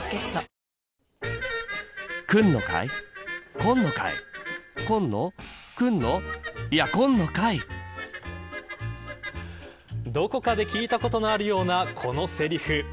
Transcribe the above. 今なら補助金でお得どこかで聞いたことのあるような、このセリフ。